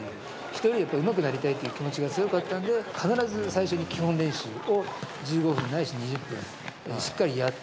人よりやっぱうまくなりたいっていう気持ちが強かったんで、必ず最初に基本練習を１５分ないし２０分、しっかりやって。